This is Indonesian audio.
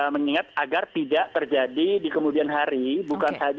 mengingat agar tidak terjadi di kemudian hari bukan saja hanya di taman salva